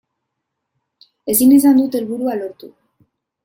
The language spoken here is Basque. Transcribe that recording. Ezin izan dut helburua lortu.